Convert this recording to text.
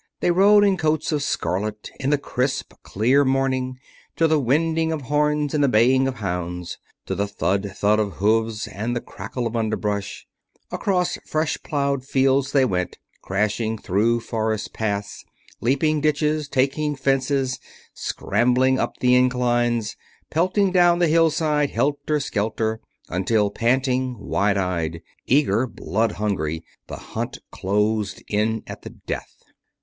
They rode in coats of scarlet, in the crisp, clear morning, to the winding of horns and the baying of hounds, to the thud thud of hoofs, and the crackle of underbrush. Across fresh plowed fields they went, crashing through forest paths, leaping ditches, taking fences, scrambling up the inclines, pelting down the hillside, helter skelter, until, panting, wide eyed, eager, blood hungry, the hunt closed in at the death.